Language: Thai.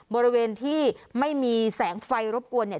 บริเวณที่ไม่มีแสงไฟรบกวนเนี่ย